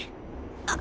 あっ！